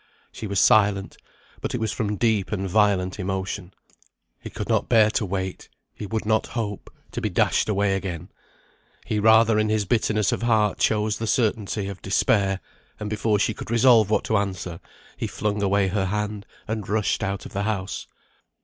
She was silent, but it was from deep and violent emotion. He could not bear to wait; he would not hope, to be dashed away again; he rather in his bitterness of heart chose the certainty of despair, and before she could resolve what to answer, he flung away her hand and rushed out of the house.